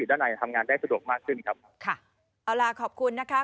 ด้านในทำงานได้สะดวกมากขึ้นครับค่ะเอาล่ะขอบคุณนะคะ